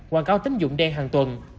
quảng cáo tính dụng đen hàng tuần